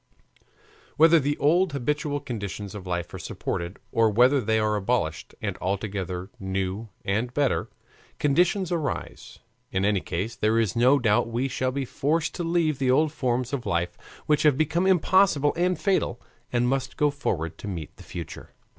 Whether the old habitual conditions of life are supported, or whether they are abolished and altogether new and better conditions arise; in any case, there is no doubt we shall be forced to leave the old forms of life which have become impossible and fatal, and must go forward to meet the future.